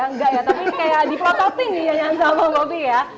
tapi kayak diprototin nih yang sama gobi ya